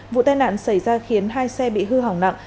vụ tai nạn xảy ra khiến hai xe bị hư hỏng nặng